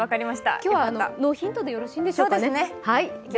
今日はノーヒントでよろしいですかね。